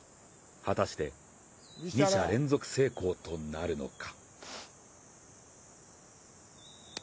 果たして２射連続成功となるのか。